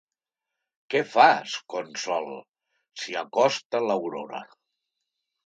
Què fas, Consol? —s'hi acosta l'Aurora.